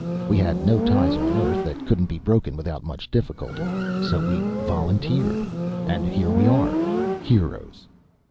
We had no ties on Earth that couldn't be broken without much difficulty. So we volunteered. And here we are. Heroes.